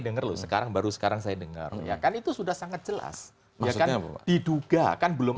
dengar loh sekarang baru sekarang saya dengar ya kan itu sudah sangat jelas ya kan diduga kan belum